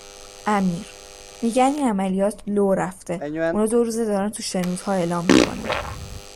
امیر: میگن این عملیات لو رفته اونا دو روزه دارن تو شنودها اعلام میکنن